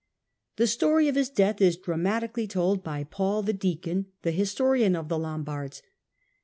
The story of his death is dramatically told by Paul the Deacon, the historian of the Lombards.